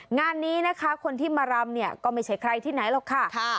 งานนี้นะคะคนที่มารำเนี่ยก็ไม่ใช่ใครที่ไหนหรอกค่ะ